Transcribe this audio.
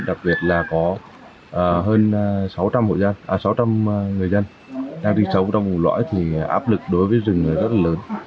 đặc biệt là có hơn sáu trăm linh người dân đang sinh sống trong vùng lõi thì áp lực đối với rừng rất là lớn